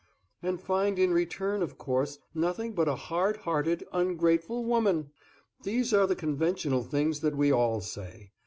"And find in return, of course, nothing but a hard hearted, ungrateful woman! These are the conventional things that we all say.